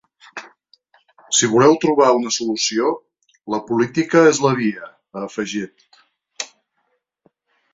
Si voleu trobar una solució, la política és la via, ha afegit.